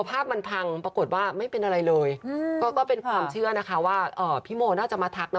เป็นความเชื่อนะคะว่าพี่โมอน่าจะมาทักนะ